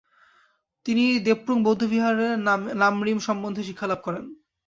তিনি দ্রেপুং বৌদ্ধবিহারে লাম-রিম সম্বন্ধে শিক্ষালাভ করেন।